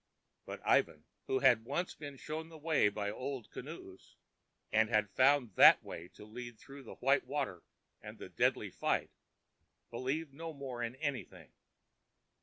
But Ivan, who had once been shown the way by Old Kinoos, and had found that way to lead through the white water and a deadly fight, believed no more in anything.